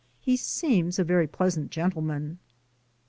He seems a very pleasant gentleman.